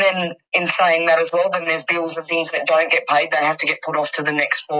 untuk sehari hari selanjutnya